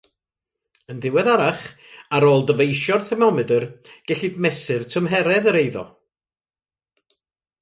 Yn ddiweddarach, ar ôl dyfeisio'r thermomedr, gellid mesur tymheredd yr eiddo.